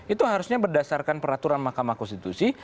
itu harusnya berdasarkan peraturan mahkamah konstitusi